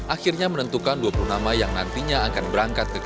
akhirnya menentukan dua puluh nama yang nantinya akan berangkat ke jakarta